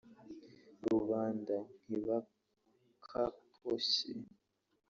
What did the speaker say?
; Rubanda( ntibakakoshye